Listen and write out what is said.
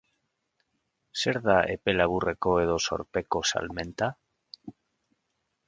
Zer da epe laburreko edo zorpeko salmenta?